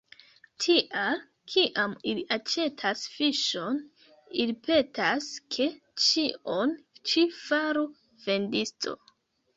Tial, kiam ili aĉetas fiŝon, ili petas, ke ĉion ĉi faru vendisto.